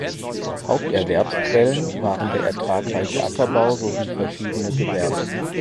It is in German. Haupterwerbsquellen waren der ertragreiche Ackerbau sowie verschiedene Gewerbe.